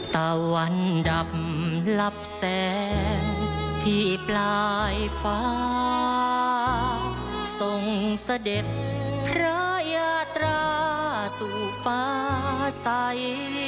ตะวันดับลับแสงที่ปลายฟ้าทรงเสด็จพระยาตราสู่ฟ้าใส